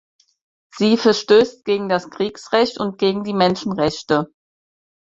Sie verstößt gegen das Kriegsrecht und gegen die Menschenrechte.